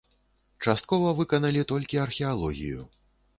Часткова выканалі толькі археалогію.